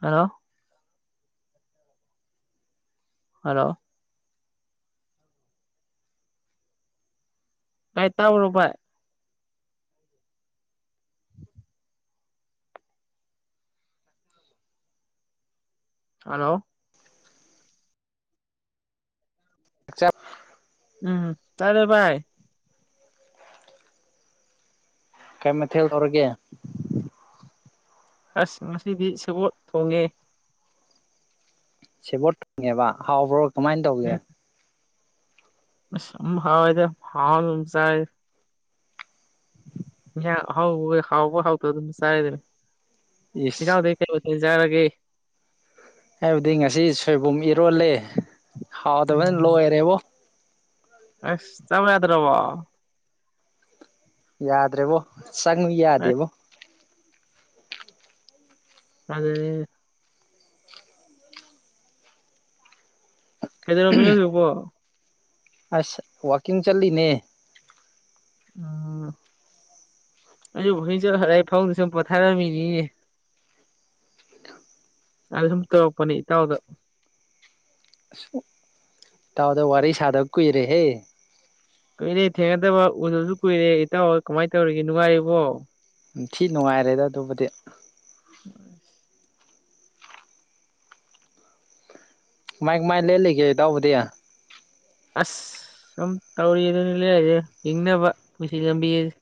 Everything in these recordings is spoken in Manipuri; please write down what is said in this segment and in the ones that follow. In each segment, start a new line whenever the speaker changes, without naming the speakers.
ꯍꯜꯂꯣ ꯍꯜꯂꯣ ꯥꯏ ꯇꯧꯔꯣ ꯚ ꯍꯂꯣ
ꯂꯆꯥ
ꯎꯝ ꯇꯔꯦꯚꯥꯏ
ꯀꯩ ꯃꯊꯦꯜ ꯇꯧꯔꯒꯦ
ꯑꯁ ꯉꯁꯤꯗꯤ ꯁꯕꯣꯠ ꯊꯣꯡꯉꯦ
ꯁꯤꯦꯕꯣꯠ ꯊꯣꯡꯉꯦꯕ ꯍꯥꯎꯕ꯭ꯔꯣ ꯀꯃꯥꯏꯅ ꯇꯧꯒꯦ
ꯍꯥꯎꯗ ꯍꯥꯎ ꯆꯥꯏ ꯍꯍꯥꯎꯕ ꯍꯥꯎꯕ ꯍꯥꯎꯇ ꯑꯗꯨꯝ ꯆꯥꯔꯗ
ꯏꯁ
ꯏꯅꯥꯎꯗꯒꯤꯩ ꯀꯩ ꯆꯥꯔꯒꯦ
ꯍꯥꯏꯕꯗꯤ ꯉꯁꯤ ꯁꯣꯏꯕꯨꯝ ꯏꯔꯣꯜꯂꯦ ꯍꯥꯎꯗꯕꯅ
ꯎꯝ
ꯂꯣꯏꯔꯦꯕꯣ
ꯑꯁ ꯆꯕꯅꯗ꯭ꯔ ꯋꯥ
ꯌꯥꯗ꯭ꯔꯦꯕꯣ ꯆꯪꯉꯨ ꯌꯥꯗꯦꯕꯣ
ꯑꯗꯨꯗ ꯀꯩꯗꯅ ꯃꯤꯕꯤ ꯊ ꯀꯣ
ꯑꯁ ꯋꯥꯀꯤꯡ ꯆꯠꯂꯤꯅꯦ
ꯎꯝ ꯑꯩ ꯍꯦꯟꯆ ꯍꯔ ꯐꯥꯎꯗꯨ ꯁꯨꯝ ꯄꯣꯊꯥꯔꯝꯃꯤꯅꯤ ꯑ ꯁꯨꯝ ꯇꯧꯛꯄꯅꯤ ꯇꯥꯎꯗꯣ
ꯏꯇꯥꯎꯗ ꯋꯥꯔꯤ ꯁꯥꯗꯕ ꯀꯨꯏꯔꯦꯍꯦ꯫
ꯀꯨꯏꯔꯦ ꯊꯦꯡꯅꯗꯕ ꯎꯗꯕꯁꯨ ꯀꯨꯏꯔꯦ ꯏꯇꯥꯎ ꯍꯣꯏ, ꯀꯃꯥꯏꯅ ꯇꯧꯔꯤꯒꯦ ꯅꯨꯡꯉꯥꯏꯔꯤꯕꯣ?
ꯎꯝ ꯊꯤ ꯅꯨꯡꯉꯥꯏꯔꯦꯗ ꯑꯗꯨꯕꯨꯗꯤ꯫
[unintelligible]
ꯀꯃꯥꯏ ꯀꯃꯥꯏ ꯂꯦꯜꯂꯤꯒꯦ ꯏꯇꯥꯎꯕꯨꯗꯤ?
ꯑꯁ ꯁꯨꯝ ꯇꯧꯔꯤ ꯑꯗꯨꯅ [unintelligible] ꯍꯤꯡꯅꯕ ꯄꯨꯟꯁꯤ ꯂꯝꯕꯤꯁꯦ꯫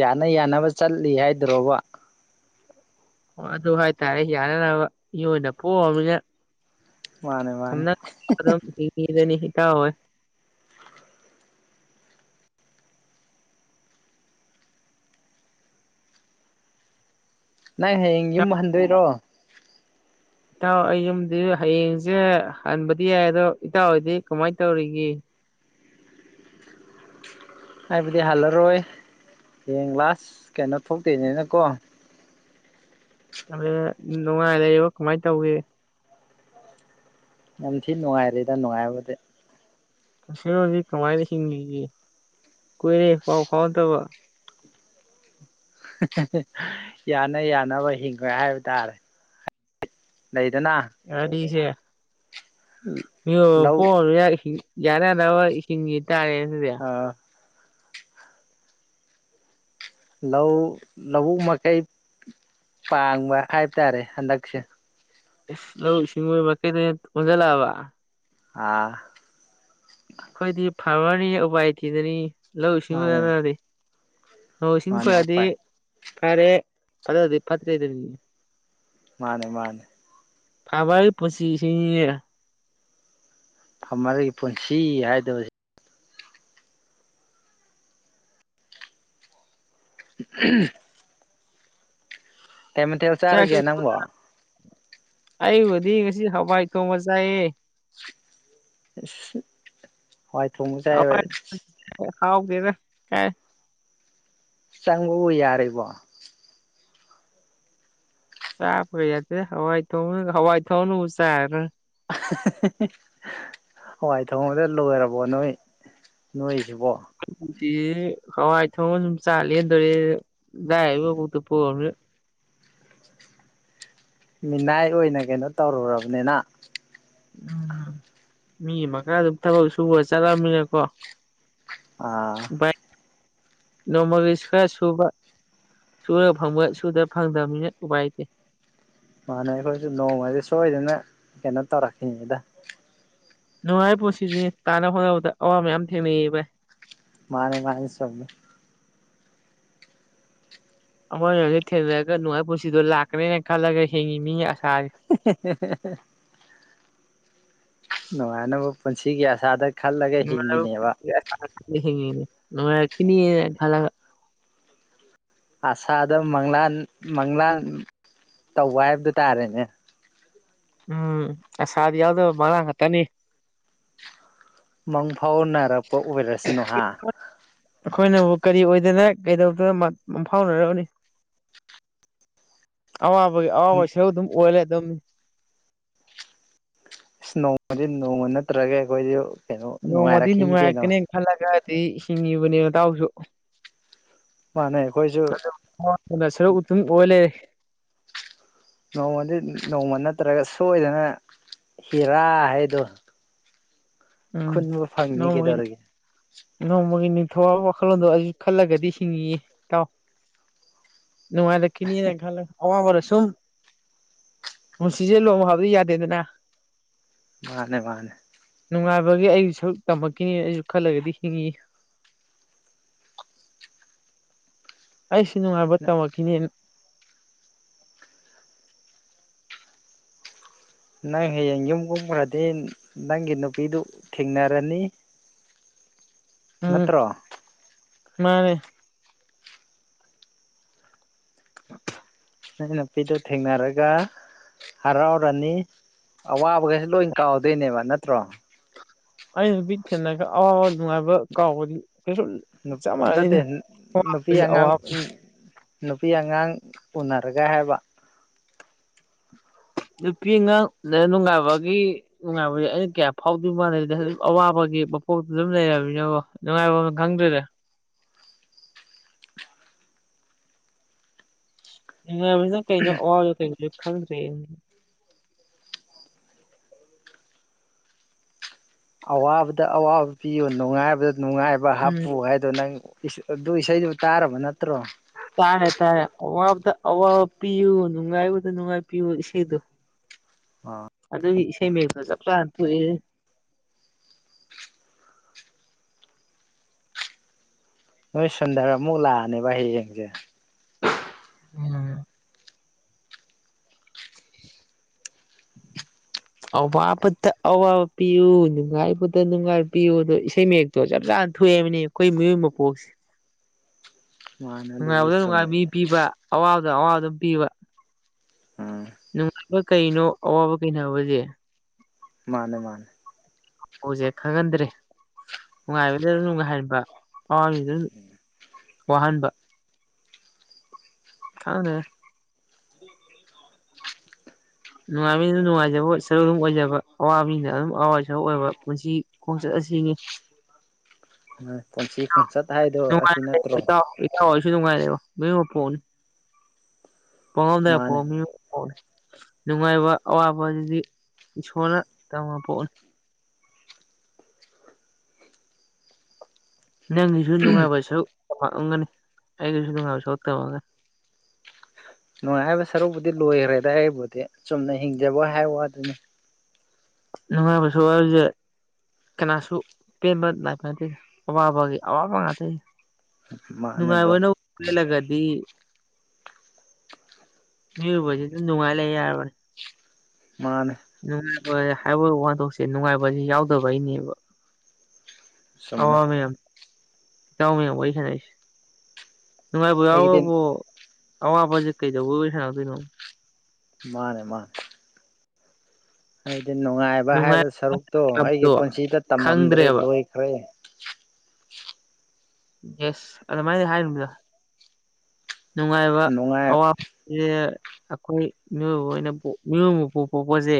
ꯌꯥꯅ ꯌꯥꯅꯕ ꯆꯠꯂꯤ ꯍꯥꯏꯗ꯭ꯔꯣꯕ?
ꯑꯣ ꯑꯗꯨ ꯍꯥꯏꯇꯥꯔꯦ ꯌꯥꯅ-ꯌꯥꯅꯕ ꯃꯤ ꯑꯣꯏꯅ ꯄꯣꯛꯑꯃꯤꯅ꯫
ꯃꯥꯅꯦ ꯃꯥꯅꯦ
[unintelligible] ꯍꯤꯡꯉꯤ ꯑꯗꯨꯅꯤ ꯏꯇꯥꯎꯍꯣꯏ꯫
ꯅꯪ ꯍꯌꯦꯡ ꯌꯨꯝ ꯍꯟꯗꯣꯏꯔꯣ?
ꯏꯇꯥꯎ ꯑꯩ ꯌꯨꯝꯗꯤ ꯍꯌꯦꯡꯁꯦ ꯍꯟꯕꯗꯤ ꯌꯥꯏ, ꯑꯗꯣ ꯏꯇꯥꯎꯍꯣꯏꯗꯤ ꯀꯃꯥꯏꯅ ꯇꯧꯔꯤꯒꯦ?
ꯑꯩꯕꯨꯗꯤ ꯍꯜꯂꯔꯣꯏ ꯍꯌꯦꯡ ꯂꯥꯁ ꯀꯩꯅꯣ ꯊꯣꯛꯇꯣꯏꯅꯤꯅꯀꯣ꯫
[unintelligible] ꯅꯨꯡꯉꯥꯏ ꯂꯩꯔꯤꯕꯣ ꯀꯃꯥꯏꯅ ꯇꯧꯒꯦ?
ꯌꯥꯝ ꯊꯤꯅ ꯅꯨꯡꯉꯥꯏꯔꯤꯗ ꯅꯨꯡꯉꯥꯏꯕꯕꯨꯗꯤ꯫
[unintelligible] ꯀꯃꯥꯏꯅ ꯍꯤꯡꯂꯤꯒꯦ ꯀꯨꯏꯔꯦ ꯄꯥꯎ ꯐꯥꯎꯅꯗꯕ꯫
ꯌꯥꯅ ꯌꯥꯅꯕ ꯍꯤꯡꯉꯦ ꯍꯥꯏꯕ ꯇꯥꯔꯦ꯫ ꯂꯩꯗꯅ꯫
[unintelligible] ꯃꯤ ꯑꯣꯏꯅ
ꯂꯧ
ꯄꯣꯛꯎꯔꯃꯤꯅ ꯍꯤꯡ-ꯌꯥꯅ-ꯌꯥꯅꯕ ꯍꯤꯡꯉꯤ ꯇꯥꯔꯦ ꯑꯗꯨꯗꯤ꯫
ꯑ꯫ ꯂꯧ ꯂꯧꯕꯨꯛ ꯃꯀꯩ ꯄꯥꯡꯕ ꯍꯥꯏꯕꯇꯥꯔꯦ ꯍꯟꯗꯛꯁꯦ꯫
ꯢꯁ ꯂꯧꯉꯨ ꯁꯤꯡꯉꯨ ꯃꯥꯏꯀꯩꯗ ꯑꯣꯏꯅ ꯑꯣꯟꯖꯜꯂꯛꯑꯕꯥ꯫
ꯑꯥ
ꯑꯩꯈꯣꯏꯗꯤ ꯐꯥꯔꯃꯔꯅꯤ ꯎꯄꯥꯏ ꯂꯩꯇꯦꯗꯨꯅꯤ ꯂꯧꯎ
ꯃꯥꯅꯦ
ꯁꯤꯡꯎꯗꯇꯅꯗꯤ꯫ ꯅꯣꯡꯁꯤꯡ
ꯃꯥꯅꯦ
ꯐꯗꯤ
ꯎꯄꯥꯏ
ꯐꯔꯦ ꯐꯠꯇꯗꯤ ꯐꯠꯇ꯭ꯔꯦꯗꯨꯅꯤ꯫
ꯃꯥꯅꯦ ꯃꯥꯅꯦ꯫
ꯐꯥꯃꯔꯒꯤ ꯄꯨꯜꯁꯤꯁꯤꯅꯤꯅꯦ꯫
ꯐꯥꯝꯃꯔꯒꯤ ꯄꯨꯟꯁꯤ ꯍꯥꯏꯗꯣꯁꯦ ꯎꯝ꯫ ꯀꯩ ꯃꯊꯦꯜ
ꯆꯥꯛ
ꯆꯥꯔꯒꯦ ꯅꯪꯕꯣ?
ꯑꯩꯕꯨꯗꯤ ꯉꯁꯤ ꯍꯋꯥꯏ ꯊꯣꯡꯕ ꯆꯥꯏꯌꯦ꯫
ꯎꯁ꯫ ꯍꯋꯥꯏ ꯊꯣꯡꯕ꯫
[unintelligible] ꯍꯥꯎꯇꯦꯗ ꯀꯥꯏ꯫
ꯆꯪꯕꯕꯨ ꯌꯥꯔꯤꯕꯣ?
ꯆꯥꯕꯀ ꯌꯥꯗꯦ ꯍꯋꯥꯏ ꯊꯣꯡ-ꯊꯣꯡꯕꯅꯕꯨ ꯍꯋꯥꯏ ꯊꯥꯡꯕꯅꯕꯨ ꯆꯥꯒꯗ꯭ꯔ?
ꯍꯋꯥꯏ ꯊꯣꯡꯕꯗ ꯂꯣꯏꯔꯕꯣ ꯅꯣꯏ ꯅꯣꯏꯁꯤꯕꯣ?
[unintelligible] ꯍꯋꯥꯏ ꯊꯣꯡꯕ ꯁꯨꯝ ꯆꯥ ꯂꯦꯟꯗꯣꯔꯦ ꯂꯥꯏꯔꯕꯒꯤ ꯃꯄꯣꯛꯇ ꯄꯣꯛꯎꯔꯃꯤꯅ꯫
ꯃꯤꯅꯥꯏ ꯑꯣꯏꯅ ꯀꯩꯅꯣ ꯇꯧꯔꯨꯔꯕꯅꯤꯅ
ꯎꯝ ꯃꯤꯒꯤ ꯃꯈꯥꯗ ꯊꯕꯛ ꯁꯨꯕ ꯆꯠꯂꯝꯃꯤꯅꯦꯀꯣ꯫
ꯑꯥ
[unintelligible] ꯅꯣꯡꯃꯒꯤ ꯈ꯭ꯔ ꯁꯨꯕ꯫ ꯁꯨꯔꯒ ꯐꯪꯕ ꯁꯨꯗ꯭ꯔ ꯐꯪꯗꯕꯅꯤꯅ ꯎꯄꯥꯏ ꯂꯩꯇꯦ꯫
ꯃꯥꯥꯟꯅꯦ ꯑꯩꯈꯣꯏꯁꯨ ꯅꯣꯡꯃꯗꯤ ꯁꯣꯏꯗꯅ ꯀꯩꯅꯣ ꯇꯧꯔꯛꯈꯤꯅꯤꯗ꯫
ꯅꯨꯡꯉꯥꯏꯕ ꯄꯨꯜꯁꯤꯗꯤ ꯇꯥꯟꯅꯕ ꯍꯣꯠꯅꯕꯗ ꯑꯋꯥꯕ ꯃꯌꯥꯝ ꯊꯦꯡꯅꯩꯌꯦ ꯚꯥꯏ
ꯃꯥꯅꯦ ꯃꯥꯅꯦ ꯆꯨꯝꯃꯦ
ꯑꯈꯣꯏꯖꯨ ꯍꯧꯖꯤꯛ ꯊꯦꯡꯅꯔꯒ ꯅꯨꯡꯉꯥꯏ ꯄꯨꯟꯁꯤꯗꯣ ꯂꯥꯛꯀꯅꯦꯅ ꯈꯜꯂꯒ ꯍꯤꯡꯉꯤꯃꯤꯅꯦ ꯑꯁꯥꯖꯦ
[unintelligible] ꯅꯨꯡꯉꯥꯏꯅꯕ ꯄꯨꯟꯁꯤꯒꯤ ꯑꯁꯥꯗ ꯈꯜꯂꯒ ꯍꯤꯡꯉꯤꯅꯦꯕ
ꯑꯗꯨꯅꯦ ꯍꯤꯡꯉꯤꯅꯦ ꯅꯨꯉꯥꯏꯔꯛꯈꯤꯅꯤ ꯈꯜꯂꯒ
ꯑꯁꯥꯗ ꯃꯪꯂꯥꯟ ꯃꯪꯂꯥꯟ ꯇꯧꯕ ꯍꯥꯏꯕꯗꯨ ꯇꯥꯔꯦꯅꯦ
ꯎꯝ ꯑꯁꯥꯗꯤ ꯌꯥꯎꯗꯕ ꯃꯪꯂꯥꯟ ꯈꯪꯇꯅꯤ
ꯃꯪ ꯐꯥꯎꯅꯔꯛꯄ ꯑꯣꯏꯔꯁꯅꯨ ꯍꯥ
ꯑꯩꯈꯣꯏꯅꯕꯨ ꯀꯔꯤ ꯑꯣꯏꯗꯅ ꯀꯩꯗꯧꯗꯣꯏꯅꯣ ꯃꯪꯐꯥꯎꯅꯔꯅꯕꯅꯤ ꯑꯋꯥꯕꯒꯤ ꯑꯋꯥꯕ ꯁꯔꯨꯛ ꯑꯗꯨꯝ ꯑꯣꯏ ꯂꯩꯔꯗꯕꯅꯤ ꯑꯗꯨꯝ
ꯏꯁ ꯅꯣꯡꯃꯗꯤ ꯅꯣꯡꯃ ꯅꯠꯇ꯭ꯔꯒ ꯑꯩꯈꯣꯏꯁꯨ ꯀꯩꯅꯣ
ꯅꯣꯡꯃꯗꯤ
ꯅꯨꯡꯉꯥꯏꯔꯛꯈꯤꯅꯤ ꯀꯩꯅꯣ
ꯅꯨꯡꯉꯥꯏꯔꯛꯀꯅꯦꯅ ꯈꯜꯂꯒꯗꯤ ꯍꯤꯡꯉꯤꯕꯅꯦ ꯅꯇꯥꯎꯁꯨ
ꯃꯥꯥꯟꯅꯦ ꯑꯩꯈꯣꯏꯁꯨ
ꯑꯋꯥꯕꯅ ꯁꯔꯨꯛ ꯑꯗꯨꯝ ꯑꯣꯏ ꯂꯩꯔꯦ
ꯅꯣꯡꯃꯗꯤ ꯅꯣꯡꯃ ꯅꯠꯇ꯭ꯔꯒ ꯁꯣꯏꯗꯅ ꯕꯤꯔꯥ ꯍꯥꯏꯗꯣ
ꯎꯝ
ꯈꯨꯟꯕ ꯐꯪꯅꯤ
ꯅꯣꯡꯃꯒꯤ
ꯀꯩꯗꯧꯔꯒꯦ
ꯅꯣꯡꯃꯒꯤ ꯅꯤꯡꯊꯧꯕ ꯋꯥꯈꯜꯂꯣꯟꯗꯣ ꯑꯗꯨ ꯈꯜꯂꯒꯗꯤ ꯍꯤꯡꯉꯤꯌꯦ ꯏꯇꯥꯎ ꯅꯨꯡꯉꯥꯏꯔꯛꯈꯤꯅꯤꯅ ꯈꯜꯂꯒ ꯑꯋꯥꯕꯅ ꯁꯨꯝ ꯄꯨꯟꯁꯤꯖꯦ ꯂꯣꯡ ꯍꯕꯗꯤ ꯌꯥꯗꯦꯗꯅ
ꯃꯥꯅꯦ ꯃꯥꯅꯦ
ꯅꯨꯡꯉꯥꯏꯕꯒꯤ ꯑꯩꯒꯤꯖꯨ ꯁꯔꯨꯛ ꯇꯝꯃꯛꯈꯤꯅꯤ ꯑꯩꯁꯨ ꯈꯜꯂꯒꯗꯤ ꯍꯤꯡꯉꯤ ꯑꯩꯁꯨ ꯅꯨꯡꯉꯥꯏꯕ ꯇꯝꯃꯛꯈꯤꯅꯦ
ꯅꯪ ꯍꯌꯦꯡ ꯌꯨꯝꯒꯨꯝꯈ꯭ꯔꯗꯤ ꯅꯪꯒꯤ ꯅꯨꯄꯤꯗꯨ ꯊꯦꯡꯅꯔꯅꯤ
[inaudible]
ꯅꯠꯇ꯭ꯔꯣ
ꯃꯥꯅꯦ
ꯅꯪ ꯅꯨꯄꯤꯗꯨ ꯊꯦꯡꯅꯔꯒ ꯍꯔꯥꯎꯔꯅꯤ ꯑꯋꯥꯕ [unintelligible] ꯂꯣꯏ ꯀꯥꯎꯗꯣꯏꯅꯦꯕ ꯅꯠꯇ꯭ꯔꯣ
ꯑꯩꯅ ꯅꯨꯄꯤ ꯊꯦꯡꯅꯔꯒ ꯑꯋꯥꯕ ꯅꯨꯡꯉꯥꯏꯕ ꯀꯥꯎꯕꯗꯤ ꯀꯩꯁꯨ ꯆꯞ
ꯅꯠꯇꯦ
ꯃꯥꯟꯅꯩꯗ
ꯅꯨꯄꯤ
ꯑꯋꯥꯕꯁꯦ
ꯑꯉꯥꯡ
ꯑꯋꯥꯕ
ꯎꯝ ꯅꯨꯄꯤ ꯑꯉꯥꯡ ꯎꯅꯔꯒ ꯍꯥꯏꯕ
ꯅꯨꯄꯤ ꯑꯉꯥꯡ ꯎꯅꯔꯒꯥ ꯅꯨꯡꯉꯥꯏꯕꯒꯤ ꯅꯨꯡꯉꯥꯏꯕꯖꯤ ꯑꯩꯅ ꯀꯌꯥ ꯐꯥꯎꯗꯣꯏ ꯃꯥꯟꯗꯦꯗ ꯑꯗꯨꯝ ꯑꯋꯥꯕꯒꯤ ꯃꯄꯣꯛꯇꯨ ꯑꯗꯨꯝ ꯂꯩꯔꯃꯤꯅꯀꯣ ꯅꯨꯡꯉꯥꯏꯕꯝꯒ ꯈꯪꯗ꯭ꯔꯦꯗ ꯅꯨꯉꯥꯏꯕꯖꯤꯅ ꯀꯩꯅ ꯑꯋꯥꯕꯖꯤꯅ ꯀꯩꯩꯅ ꯈꯪꯗ꯭ꯔꯦ
ꯑꯋꯥꯕꯗ ꯑꯋꯥꯕ ꯄꯤꯌꯨ ꯅꯨꯡꯉꯥꯏꯕꯗ ꯅꯨꯡꯉꯥꯏꯕ
ꯎꯝ
ꯍꯥꯞꯄꯨ ꯍꯥꯏ ꯑꯗꯨꯗ ꯅꯪ ꯑꯗꯨ ꯏꯁꯩꯗꯨ ꯇꯥꯔꯕ ꯅꯠꯇ꯭ꯔꯣ
ꯇꯥꯔꯦ ꯇꯥꯔꯦ ꯑꯋꯥꯕꯗ ꯑꯋꯥꯕ ꯄꯤꯌꯨ ꯅꯨꯡꯉꯥꯏꯕꯗ ꯅꯨꯡꯉꯥꯏ ꯄꯌꯨ ꯏꯁꯩꯗꯣ
ꯑ
ꯑꯗꯨ ꯏꯁꯩ ꯃꯌꯦꯛꯇꯣ ꯆꯞ ꯆꯥꯅ ꯊꯣꯛꯑꯦ
ꯅꯣꯏ ꯁꯨꯟꯗꯔ ꯑꯃꯨꯛ ꯂꯑꯅꯤꯕ ꯍꯌꯦꯡꯖꯦ
ꯎꯝ ꯑꯋꯥꯕꯠꯇ ꯑꯋꯥꯕ ꯄꯤꯌꯨ ꯅꯨꯡꯉꯥꯏꯕꯗ ꯅꯨꯡꯉꯥꯏꯕ ꯄꯤꯌꯨ ꯑꯗꯣ ꯏꯁꯩ ꯃꯛꯇꯣ ꯆꯞ ꯆꯥꯅ ꯊꯣꯛꯑꯦꯕꯅꯦꯕ ꯑꯩꯈꯣꯏ ꯃꯤꯑꯣꯏ ꯃꯄꯣꯛꯁꯤ
ꯃꯥꯅꯦ ꯑꯗꯨꯕꯨꯗꯤ
ꯅꯨꯡꯉꯥꯏꯕꯗ ꯅꯨꯡꯉꯥꯏꯕ
ꯆꯨꯝꯃꯦꯗ
ꯃꯤ ꯄꯤꯕ ꯑꯋꯥꯕꯗ ꯑꯋꯥꯕ ꯑꯗꯨꯝ ꯄꯤꯕ
ꯎꯝ
ꯅꯨꯡꯉꯥꯏꯕ ꯀꯩꯅꯣ ꯑꯋꯥꯕ ꯀꯩꯅꯣ ꯍꯥꯏꯕꯖꯦ
ꯃꯥꯅꯦ ꯃꯥꯅꯦ
ꯍꯧꯖꯦ ꯈꯪꯍꯟꯗ꯭ꯔꯦ ꯅꯨꯡꯉꯥꯏꯕꯗ ꯅꯨꯡꯉꯥꯏꯍꯟꯕ ꯑꯋꯥꯕꯖꯤꯗ ꯑꯗꯨꯝ ꯋꯥꯍꯟꯕ ꯈꯪꯗꯦꯍꯦ ꯅꯨꯡꯉꯥꯏꯕꯅꯤꯗ ꯅꯨꯡꯉꯥꯏꯖꯕ ꯁꯔꯨꯛ ꯑꯗꯨꯝ ꯑꯣꯏꯖꯕ ꯑꯋꯥ ꯃꯤꯅ ꯑꯗꯨꯝ ꯑꯋꯥꯏ ꯁꯔꯨꯛ ꯑꯣꯏꯕ ꯄꯨꯟꯁꯤ ꯈꯣꯡꯆꯠ ꯑꯁꯤ
ꯄꯨꯟꯁꯤ ꯈꯣꯡꯆꯠ ꯍꯥꯏꯗꯣ ꯑꯁꯤ ꯅꯠꯇ꯭ꯔꯣ
ꯍꯣꯏꯁꯨ ꯅꯨꯡꯉꯥꯏꯔꯦꯕ ꯅꯄꯣꯛꯅꯤ ꯄꯉꯝꯗꯦ
ꯃꯥꯅꯦ
ꯐꯃꯤ
ꯃꯥꯅꯦ
ꯅꯨꯡꯉꯥꯏꯕ ꯑꯋꯥꯕ ꯑꯗꯨꯗꯤ ꯏꯁꯣꯔꯅ ꯇꯝꯃ ꯄꯣꯅꯤ ꯅꯪꯒꯤꯁꯨ ꯅꯨꯡꯉꯥꯏꯕ ꯁꯔꯨꯛ ꯇꯝꯂꯝꯒꯅꯤ ꯑꯩꯒꯤꯁꯨ ꯅꯨꯡꯉꯥꯏꯕ ꯁꯔꯨꯛ ꯇꯝꯃꯒꯅꯤ
ꯅꯨꯡꯉꯥꯏꯕ ꯁꯔꯨꯛꯄꯨꯗꯤ ꯂꯣꯏꯈ꯭ꯔꯦꯗ ꯑꯩꯕꯨꯗꯤ ꯆꯨꯝꯅ ꯍꯤꯡꯖꯕ ꯍꯥꯏꯕ ꯋꯥꯗꯨꯅꯤ
ꯅꯨꯡꯉꯥꯏꯕ ꯁꯔꯨꯛ ꯍꯥꯏꯖꯦ ꯀꯅꯥꯁꯨ ꯄꯦꯟꯕ ꯅꯥꯏꯅꯗꯦꯗ ꯑꯋꯥꯕꯒꯤ ꯑꯋꯥꯕ ꯉꯥꯛꯇ
ꯃꯥꯅꯦ ꯕ꯭ꯔꯣ
ꯅꯨꯡꯉꯥꯏꯕꯅ ꯄꯦꯜꯂꯒꯗꯤ ꯃꯤꯑꯣꯏꯕꯁꯤ ꯑꯗꯨꯝ ꯅꯨꯡꯉꯥꯏ ꯂꯩ ꯌꯥꯔꯕꯅꯤ
ꯃꯥꯅꯦ
ꯅꯨꯡꯉꯥꯏꯕ ꯍꯥꯏꯕ ꯋꯥꯟꯊꯣꯛꯁꯦ ꯅꯨꯡꯉꯥꯏꯕꯁ ꯌꯥꯎꯗꯕꯩꯅꯦꯕ [unintelligible]
ꯆꯨꯝꯃꯦ
ꯏꯇꯥꯎ ꯃꯌꯥꯝ ꯋꯥꯔꯤ ꯁꯥꯅꯩꯁꯦ ꯅꯨꯡꯉꯥꯏꯕ
ꯑꯩꯒꯤꯗꯤ
ꯌꯥꯎꯔꯕꯨ ꯑꯋꯥꯕꯁꯦ ꯀꯩꯗꯧꯕ ꯑꯣꯏ ꯁꯥꯟꯅꯗꯣꯏꯅꯣ
ꯃꯥꯅꯦ ꯃꯥꯅꯦ ꯍꯥꯏꯗꯤ ꯅꯨꯡꯉꯥꯏꯕ
ꯅꯨꯡꯉꯥꯏ
ꯍꯥꯏꯕ ꯁꯔꯨꯛꯇꯣ
ꯇꯞꯇꯣ
ꯑꯩꯒꯤ ꯄꯨꯟꯁꯤꯗ ꯇꯝꯃꯝꯗ꯭ꯔꯦ
ꯈꯪꯗ꯭ꯔꯦꯕ
ꯂꯣꯏꯈ꯭ꯔꯦ
ꯏꯁ ꯑꯗꯨꯃꯥꯏꯅ ꯍꯥꯏꯔꯤꯕꯗꯣ ꯅꯨꯡꯉꯥꯏꯕ
ꯅꯨꯡꯉꯥꯏ
ꯑꯋꯥꯕ ꯑꯩꯈꯣꯏ ꯃꯤꯑꯣꯏꯕ ꯑꯣꯏꯅ ꯃꯤꯑꯣꯏꯕ ꯄꯨ ꯄꯣꯛꯄꯁꯦ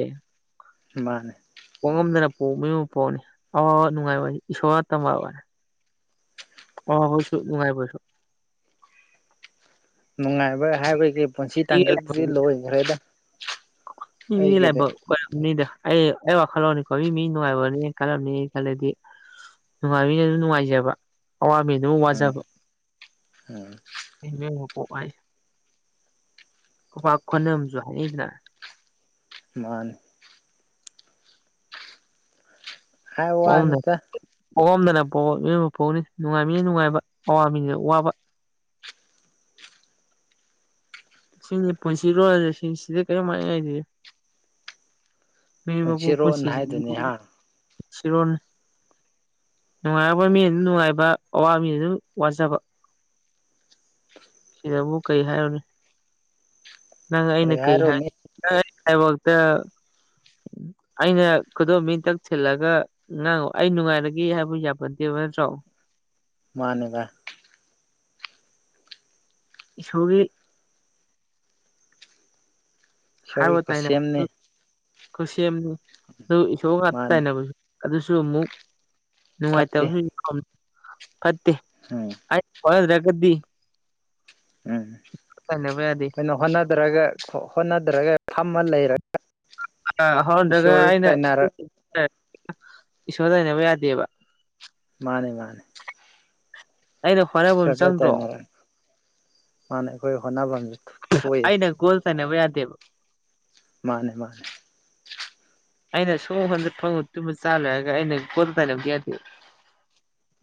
ꯃꯥꯅꯦ
ꯄꯣꯛꯉꯝꯗꯅ ꯄ ꯃꯨꯝ ꯄꯣꯛꯅꯤ ꯑꯋꯥꯕ ꯅꯨꯡꯉꯥꯏꯕꯅꯤ ꯏꯁꯣꯔ ꯇꯝꯕꯅꯤ ꯑꯋꯥꯕꯍꯣꯏꯁꯨ ꯅꯨꯡꯉꯥꯏꯕꯁꯨ
ꯅꯨꯡꯉꯥꯏꯕ ꯍꯥꯏꯕꯒꯤ ꯄꯨꯟꯁꯤ ꯇꯥꯡꯀꯛꯁꯤ ꯂꯣꯏꯈ꯭ꯔꯦꯗ ꯑꯩꯒꯤꯗꯤ
ꯑꯣꯏꯣꯏꯔꯝꯅꯤꯗ ꯑꯩ ꯑꯩ ꯋꯥꯈꯜ ꯂꯧꯅꯤꯀꯣ ꯃꯤ ꯃꯤ ꯅꯨꯡꯉꯥꯏꯕꯅꯤ ꯈꯜꯂꯝꯅꯤ ꯑꯩ ꯈꯜꯂꯗꯤ ꯅꯨꯡꯉꯥꯏꯕꯅ ꯑꯗꯨꯝ ꯅꯨꯡꯉꯥꯏꯖꯕ ꯑꯋꯥꯕ ꯑꯗꯨꯝ
ꯎꯝ
ꯋꯥꯖꯕ
ꯎꯝ
ꯑꯩꯕ ꯄꯣꯛ ꯍꯥꯏ ꯄꯥꯛ ꯈꯣꯟꯅꯝꯨ ꯍꯥꯏꯅꯩꯗꯅ
ꯃꯥꯥꯅꯦ ꯍꯥꯏ
ꯄꯣꯛꯝꯗꯅ
ꯋꯥꯅꯤꯗ
ꯄꯣꯛꯑꯝꯗꯅ ꯄ ꯃꯤꯏꯕ ꯐꯣꯛꯅꯤ ꯅꯨꯡꯉꯥꯏꯃꯤꯅ ꯅꯨꯡꯉꯥꯏꯕ ꯑꯋꯥ ꯃꯤꯁꯨ ꯋꯥꯕ ꯁꯤꯅꯤ ꯄꯨꯁꯤꯔꯣꯜ ꯍꯥꯏꯁꯦ ꯁꯤꯗ ꯀꯦꯝ ꯍꯥꯏꯅꯤꯡꯉꯥꯏ ꯇꯦ ꯃꯤ ꯃꯀꯣꯛꯄꯨ
ꯄꯨꯟꯁꯤꯔꯣꯟ ꯍꯥꯏꯗꯨꯅꯤ
[unintelligible]
ꯍꯥ
ꯔꯣꯜ ꯅꯨꯡꯉꯥꯏꯔꯕ ꯃꯤ ꯑꯗꯨ ꯅꯨꯡꯉꯥꯏꯕ ꯑꯋꯥ ꯃꯤ ꯑꯗꯨꯝ ꯋꯥꯖꯕ ꯁꯤꯗꯕꯨ ꯀꯩ ꯍꯥꯏꯔꯨꯅ ꯅꯪ ꯑꯩꯅ
ꯀꯔꯤ
ꯀꯩ ꯍꯥꯏ
ꯍꯥꯏꯔꯨꯅꯤ
ꯍꯥꯏꯕꯇ ꯑꯩꯅ ꯈꯨꯗꯣꯝ ꯇꯛ ꯊꯤꯜꯂꯒ ꯉꯥꯡꯉꯣ ꯑꯩ ꯅꯨꯡꯉꯥꯏꯔꯒꯦ ꯍꯥꯏꯕ ꯌꯥꯕꯗꯦꯕ ꯅꯠꯇ꯭ꯔꯣ
ꯃꯥꯅꯦꯒ
ꯏꯁꯣꯔꯒꯤ
ꯏꯁꯣꯔꯒꯤ
ꯍꯥꯏꯔ ꯇꯥꯏꯅꯕ
ꯈꯨꯠꯁꯦꯝꯅꯤ
ꯑꯣꯏ ꯁꯦꯝꯅꯤ ꯑꯗꯨ ꯏꯁꯣꯔ ꯉꯥꯛꯇ
ꯃꯥꯅꯤ
ꯇꯥꯏꯅꯕꯁꯨ ꯑꯗꯨꯁꯨ ꯑꯃꯨꯛ
ꯐꯠꯇꯦ
ꯅꯨꯡꯉꯥꯏꯇꯕꯁꯨ ꯐꯠꯇꯦ
ꯍ
ꯍꯣꯠꯅꯗꯔꯒꯥꯗꯤ
ꯎꯝ
ꯇꯥꯏꯅꯕ ꯌꯥꯗꯦ
ꯑꯩꯈꯣꯏꯅ ꯍꯣꯠꯅꯗ꯭ꯔꯒ ꯍꯣꯠꯅꯗꯔꯒ ꯐꯝꯃ ꯂꯩꯔꯒ
ꯍꯧꯔꯗ꯭ꯔꯒ ꯑꯩꯅ
ꯇꯥꯏꯅꯔ
ꯏꯁꯣꯔꯗ ꯂꯩꯕ ꯌꯥꯗꯦꯕ
ꯃꯥꯅꯦ ꯃꯥꯅꯦ
ꯑꯩꯅ [unintelligible]
ꯁꯗ ꯇꯥꯏꯅꯔ ꯃꯥꯅ ꯑꯩꯈꯣꯏ ꯍꯣꯠꯅꯕꯅꯕ
ꯑꯩꯅ ꯀꯣꯜ ꯁꯅꯕ ꯌꯥꯗꯦꯕ
ꯃꯥꯅꯦ ꯃꯥꯅꯦ
[inaudible] ꯑꯩꯅ ꯁꯣꯝ ꯋꯥꯟꯗ ꯐꯪꯕ ꯇꯨꯝꯕ ꯆꯥ ꯂꯣꯏꯔꯒ ꯑꯩꯅ ꯒꯣꯗꯥꯥꯏ ꯂꯧꯗ ꯌꯥꯗꯦ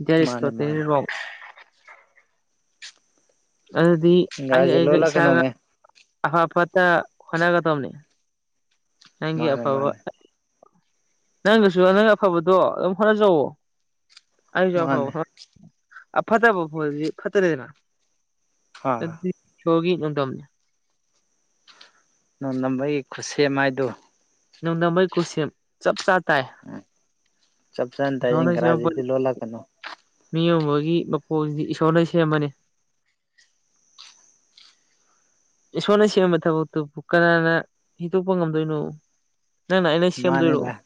ꯗꯔꯤꯁ ꯏꯁ
ꯃꯥꯅꯦ
ꯇꯣꯇꯦꯜꯂꯤ
ꯃꯥꯅꯦ
ꯔꯣꯡ ꯑꯗꯨꯗꯤ ꯑꯩ
ꯏꯪꯒ꯭ꯔꯥꯖꯤ
ꯑꯩꯒ
ꯂꯣꯜꯂ
ꯏꯁꯥꯒ
ꯀꯩꯅꯣꯝꯅꯦ
ꯑꯐ ꯑꯐꯠꯇ ꯍꯣꯠꯅꯒꯗꯕꯅꯦ ꯅꯪꯒꯤ
ꯃꯥꯅꯦ
ꯑꯐꯕ
ꯃꯥꯅꯦ
ꯅꯪꯒꯁꯨ ꯅꯪ ꯑꯐꯕꯗꯣ ꯑꯗꯨꯝ ꯍꯣꯠꯅꯖꯋ ꯑꯩꯁꯨ ꯑꯐꯕ
ꯃꯥꯅꯦ
ꯑ ꯐꯠꯇ ꯐ ꯐꯠꯇꯔꯦꯗꯅ
ꯑꯥ
ꯁꯣꯒꯤ ꯎ ꯇꯣꯝꯅ
ꯅꯣꯡ ꯅꯝꯕꯒꯤ ꯈꯨꯠꯁꯦꯝ ꯃꯥꯏꯗꯨ
ꯅꯗ ꯃꯥ ꯀꯁꯤꯦꯝ ꯆꯞ ꯆꯥꯇꯥ
ꯆꯞ ꯆꯥꯅ ꯇꯥꯏ
ꯁꯅꯁꯤ
ꯏꯪꯒ꯭ꯔꯥꯖꯤꯗꯤ ꯂꯣꯜꯂꯛꯀꯅꯨ
ꯃꯤ ꯑꯃꯒꯤꯒꯤ ꯃꯄꯣꯛꯁꯤꯗꯤ ꯏꯁꯣꯔꯅ ꯁꯦꯝꯕꯅꯦ ꯏꯁꯣꯔꯅ ꯁꯦꯝꯕ ꯊꯕꯛꯇꯨꯕꯨ ꯀꯅꯥꯅ ꯍꯤꯗꯣꯛꯄ ꯉꯝꯗꯣꯏꯅꯣ ꯅ ꯅ ꯏꯩꯅꯁꯤ
ꯃꯥꯅꯦ
ꯁꯦꯝꯝꯗꯣꯏꯔꯔꯕꯣ
ꯚꯥꯏ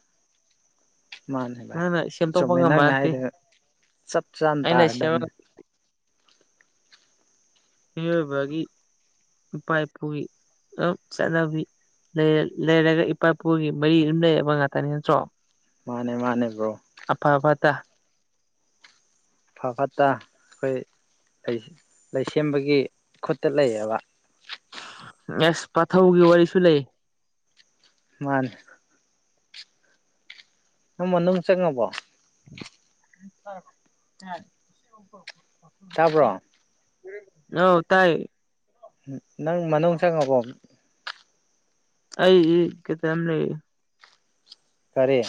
ꯃꯥꯅꯦ ꯚꯥꯏ
ꯅꯪꯅ ꯁꯦꯝꯗꯣꯛꯄ
ꯆꯨꯝꯃꯦ
ꯉꯝꯕ
ꯅꯪꯅ
ꯅꯠꯇꯦ
ꯍꯥꯏꯗꯣ ꯆꯞ ꯆꯥꯅ
ꯑꯩꯅ ꯁꯦꯝ
ꯇꯥꯔꯗꯕꯅꯤ
ꯃꯤꯑꯣꯏꯕꯒꯤ ꯏꯄꯥ ꯏꯄꯨꯒꯤ ꯑꯗꯨꯝ ꯆꯠꯅꯕꯤ ꯂꯩꯔꯒ ꯏꯄꯥ ꯏꯄꯨꯒꯤ ꯃꯔꯤ ꯑꯗꯨꯝ ꯂꯩꯔꯕ ꯉꯥꯛꯇꯅꯤ ꯅꯠꯇ꯭ꯔꯣ
ꯃꯥꯅꯦ ꯃꯥꯅꯦ ꯕ꯭ꯔꯣ
ꯑꯐ ꯑꯕꯠꯇ
ꯐꯥ ꯐꯠꯇ ꯑꯩꯈꯣꯏ ꯂꯩꯁꯦꯝꯕꯒꯤ ꯈꯨꯠꯇ ꯂꯩꯌꯦꯕ
ꯑꯦꯁ ꯄꯥꯊꯧꯒꯤ ꯋꯥꯔꯤꯁꯨ ꯂꯩ
ꯃꯥꯅꯦ ꯅꯃ ꯅꯨꯡ ꯆꯪꯉꯕꯣ
ꯐ
ꯆꯥꯕ꯭ꯔꯣ
ꯅ ꯇꯥꯏ
ꯅꯪ ꯃꯅꯨꯡ ꯆꯪꯉꯕꯣ
ꯑꯩ ꯀ ꯑ ꯅ
ꯀꯔꯤꯦ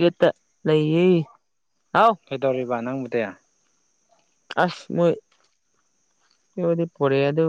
ꯌꯦꯠꯇ ꯂꯩꯌꯦ ꯍꯥꯎ
ꯀꯩꯗꯧꯔꯤꯕ ꯅꯪꯕꯨꯗꯤ
ꯑꯁ ꯃꯣꯏꯗꯤ ꯄꯦꯒꯗ